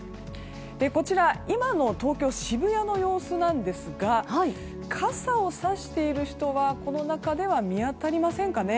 今の東京・渋谷の様子なんですが傘をさしている人はこの中では見当たりませんかね。